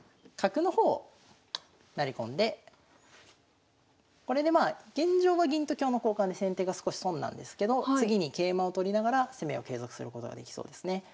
角の方を成り込んでこれでまあ現状は銀と香の交換で先手が少し損なんですけど次に桂馬を取りながら攻めを継続することができそうですね。